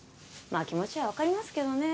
まあ気持ちはわかりますけどね。